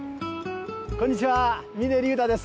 こんにちは峰竜太です。